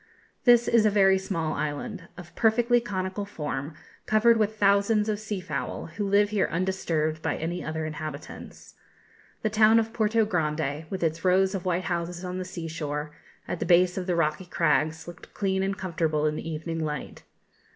This is a very small island, of perfectly conical form, covered with thousands of sea fowl, who live here undisturbed by any other inhabitants. The town of Porto Grande, with its rows of white houses on the sea shore, at the base of the rocky crags, looked clean and comfortable in the evening light.